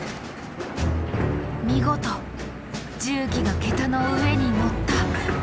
見事重機が桁の上に乗った。